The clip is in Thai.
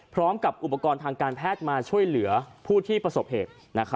พร้อมกับอุปกรณ์ทางการแพทย์มาช่วยเหลือผู้ที่ประสบเหตุ